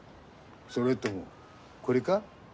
それともこれか？